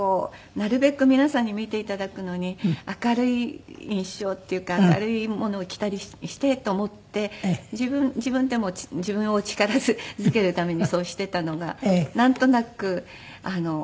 なるべく皆さんに見て頂くのに明るい印象っていうか明るいものを着たりしてと思って自分でも自分を力づけるためにそうしていたのがなんとなく。